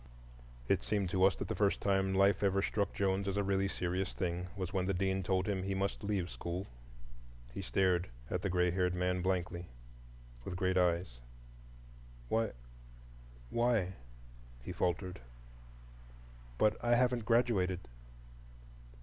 It seemed to us that the first time life ever struck Jones as a really serious thing was when the Dean told him he must leave school. He stared at the gray haired man blankly, with great eyes. "Why,—why," he faltered, "but—I haven't graduated!"